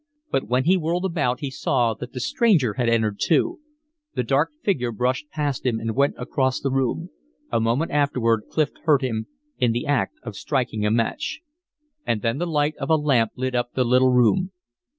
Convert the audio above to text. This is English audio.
But when he whirled about he saw that the stranger had entered, too. The dark figure brushed past him and went across the room. A moment afterward Clif heard him in the act of striking a match. And then the light of a lamp lit up the little room.